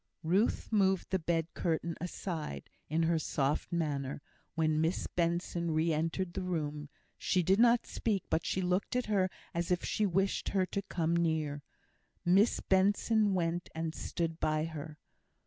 Ruth moved the bed curtain aside, in her soft manner, when Miss Benson re entered the room; she did not speak, but she looked at her as if she wished her to come near. Miss Benson went and stood by her.